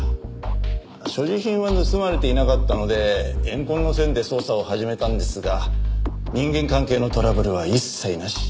所持品は盗まれていなかったので怨恨の線で捜査を始めたんですが人間関係のトラブルは一切なし。